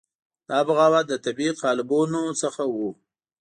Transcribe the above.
دا بغاوت له طبیعي قالبونو څخه وو.